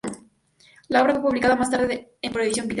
La obra fue publicada más tarde por Edición Peters.